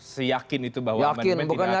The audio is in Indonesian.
seyakin itu bahwa amendement tidak akan terjadi